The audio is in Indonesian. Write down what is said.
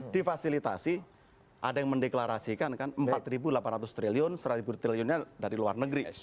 di fasilitasi ada yang mendeklarasikan kan rp empat delapan ratus triliun rp seratus triliunnya dari luar negeri